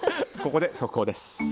ここで速報です。